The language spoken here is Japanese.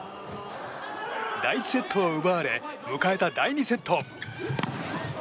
第１セットを奪われ迎えた第２セット。